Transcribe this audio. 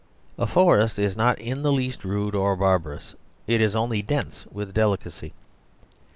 A forest is not in the least rude or barbarous; it is only dense with delicacy.